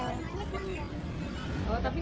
tapi nanti kalau dia sakit